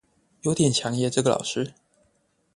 有點強耶這個老師